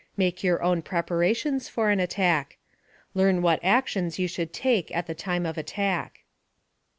Make your own preparations for an attack. Learn what actions you should take at the time of attack.